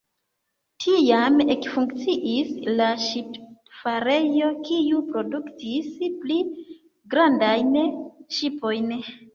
Tiam ekfunkciis la ŝipfarejo, kiu produktis pli grandajn ŝipojn.